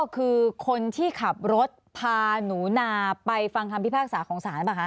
คือคนที่ขับรถพาหนูนาไปฟังคำพิพากษาของศาลป่ะคะ